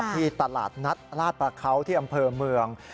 ที่ตลาดนัดลาดประเขาที่อำเภอเมือง